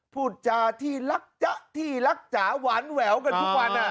พูดจาที่รักจ๊ะที่รักจ๋าหวานแหววกันทุกวัน